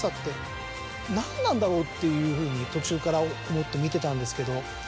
何なんだろうっていうふうに途中から思って見てたんですけど。